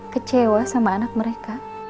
kecewa sama anak mereka